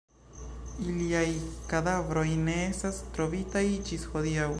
Iliaj kadavroj ne estas trovitaj ĝis hodiaŭ.